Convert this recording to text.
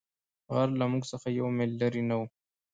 غر له موږ څخه یو مېل لیرې نه وو.